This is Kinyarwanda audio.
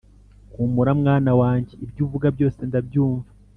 Humura mwana wanjye ibyo uvuga byose ndabyumva